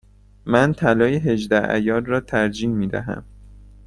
من طلای هجده عیار را ترجیح می دهم.